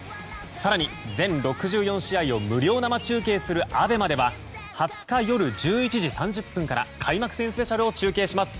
更に、全６４試合を無料生中継するＡＢＥＭＡでは２０日夜１１時３０分から開幕戦スペシャルを中継します。